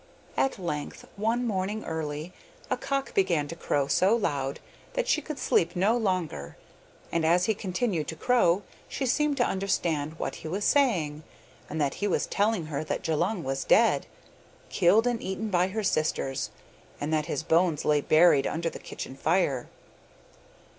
At length, one morning early, a cock began to crow so loud that she could sleep no longer and as he continued to crow she seemed to understand what he was saying, and that he was telling her that Djulung was dead, killed and eaten by her sisters, and that his bones lay buried under the kitchen fire.